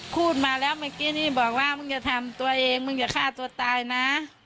พูดมาแล้วเมื่อกี้นี่บอกว่ามึงจะทำตัวเองมึงอย่าฆ่าตัวตายนะ